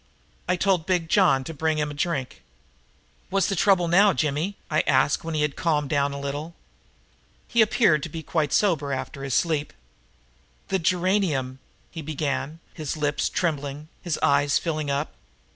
I told Big John to bring him a drink. "What's the trouble now, Jimmy?" I asked him when he'd calmed down a little. He appeared to be quite sober after his sleep. "The geranium " he began, his lips trembling, his eyes filling up.